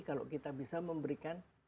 kalau kita bisa memberikan